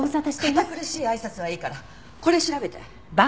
堅苦しい挨拶はいいからこれ調べて。